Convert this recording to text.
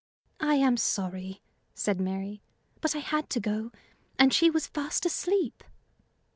"I am sorry," said Mary; "but I had to go, and she was fast asleep."